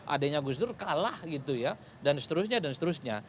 adanya gus dur kalah gitu ya dan seterusnya dan seterusnya